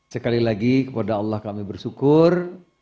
sekali lagi kepada allah kami bersyukur